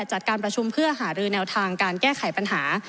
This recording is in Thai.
จัดการประชุมเพื่อหารือแนวทางการแก้ไขปัญหา